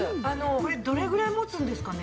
これどれぐらい持つんですかね？